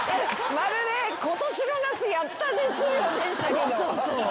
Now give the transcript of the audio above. まるで今年の夏やった熱量でしたけど。